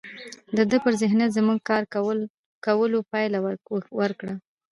د ده پر ذهنیت زموږ کار کولو پایله ورکړه